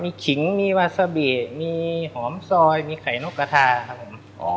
มีขิงมีวาซาบิมีหอมซอยมีไข่นกกระทาครับผม